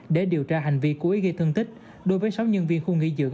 để điều tra hành vi cố ý gây thương tích đối với sáu nhân viên khu nghỉ dưỡng